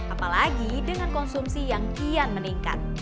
apalagi dengan konsumsi yang kian meningkat